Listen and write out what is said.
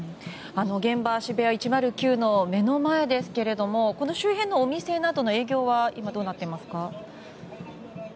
現場、渋谷１０９の目の前ですがこの周辺のお店などの営業は今、どうなっていますか？